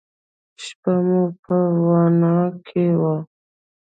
شپه مو په واڼه کښې وه.